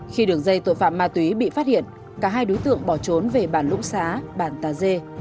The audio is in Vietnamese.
khi đường dây tội phạm ma túy bị phát hiện cả hai đối tượng bỏ trốn về bản lũng xá bản tà dê